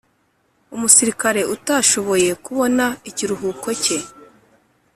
Umusirikare utashoboye kubona ikiruhuko cye